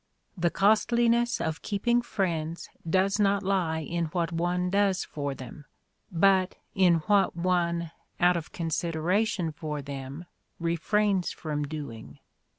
The costliness of keeping friends does not lie in what one does for them, but in what one, out of consider ation for them, refrains from doing.